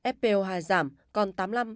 fpo hai giảm còn tám mươi năm tám mươi sáu